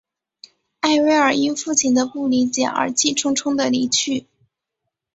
艾薇尔因父亲的不理解而气冲冲地离去。